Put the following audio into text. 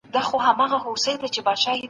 کله باید د نورو خبرو ته له پامه تېر سو؟